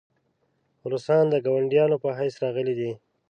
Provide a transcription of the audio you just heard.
روسان د ګاونډیانو په حیث راغلي دي.